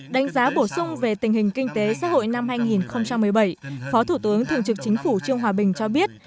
đánh giá bổ sung về tình hình kinh tế xã hội năm hai nghìn một mươi bảy phó thủ tướng thường trực chính phủ trương hòa bình cho biết